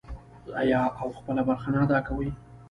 آیا او خپله برخه نه ادا کوي؟